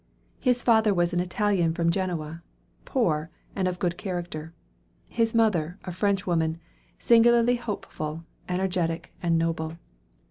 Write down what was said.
His father was an Italian from Genoa, poor, and of good character; his mother, a French woman, singularly hopeful, energetic, and noble.